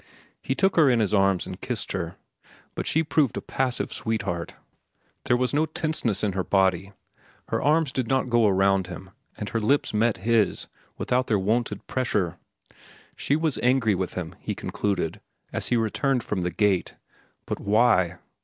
He took her in his arms and kissed her, but she proved a passive sweetheart. There was no tenseness in her body, her arms did not go around him, and her lips met his without their wonted pressure. She was angry with him, he concluded, as he returned from the gate. But why?